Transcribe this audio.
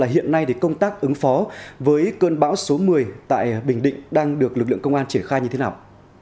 hiện nay công tác ứng phó với cơn bão số một mươi tại bình định đang được lực lượng công an triển khai như thế nào